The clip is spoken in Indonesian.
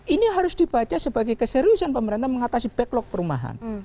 ini harus dibaca sebagai keseriusan pemerintah mengatasi backlog perumahan